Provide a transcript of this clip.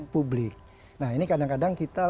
publik nah ini kadang kadang kita